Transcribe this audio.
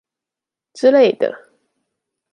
之類的！